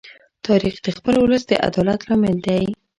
تاریخ د خپل ولس د عدالت لامل دی.